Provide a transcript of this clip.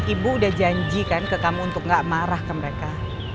ibu udah janji kan ke kamu untuk gak marah ke mereka